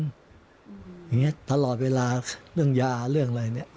อย่างนี้ตลอดเวลาเรื่องยาเรื่องอะไรเนี่ย